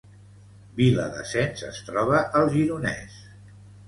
Viladasens es troba al Gironès